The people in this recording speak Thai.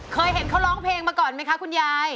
เคยเห็นเขาร้องเพลงมาก่อนไหมคะคุณยาย